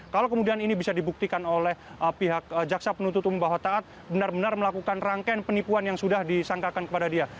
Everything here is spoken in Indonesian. kalau kemudian ini bisa dibuktikan oleh pihak jaksa penuntut umum bahwa taat benar benar melakukan rangkaian penipuan yang sudah disangkakan kepada dia